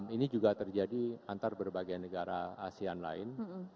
ini juga terjadi antar berbagai negara asean lain